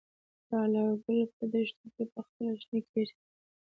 لاله ګل په دښتو کې پخپله شنه کیږي؟